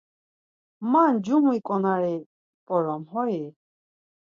Ma ncumu ǩonari mp̌orom hoi?